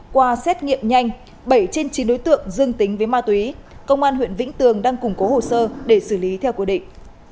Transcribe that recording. qua xét nghiệm nhanh bảy trên chín đối tượng dương tính với ma túy công an huyện vĩnh tường đang củng cố hồ sơ để xử lý theo quy định